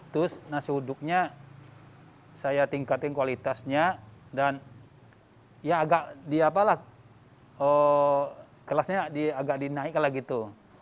terus nasi uduknya saya tingkatin kualitasnya dan ya agak di apalah kelasnya agak dinaikkan lah gitu